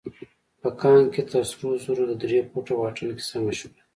په کان کې تر سرو زرو د درې فوټه واټن کيسه مشهوره ده.